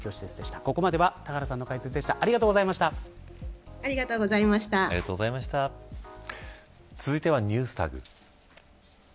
ここまでは田原さんの解説でした続いてはＮｅｗｓＴａｇ。